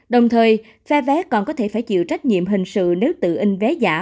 đồng thời phe vé còn có thể phải chịu trách nhiệm hình sự nếu tự in vé giả